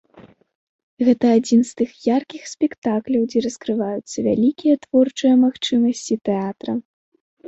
Гэта адзін з тых яркіх спектакляў, дзе раскрываюцца вялікія творчыя магчымасці тэатра.